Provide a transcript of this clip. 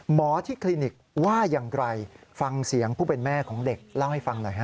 หมอที่คลินิกว่าอย่างไรฟังเสียงผู้เป็นแม่ของเด็กเล่าให้ฟังหน่อยฮะ